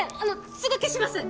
すぐ消します